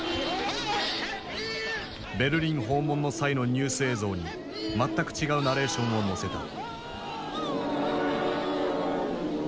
ベルリン訪問の際のニュース映像に全く違うナレーションをのせた。